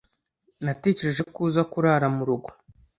Natekereje ko uza kurara murugo.